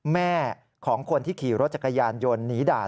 แม่ของคนที่ขี่รถจักรยานยนต์หนีด่า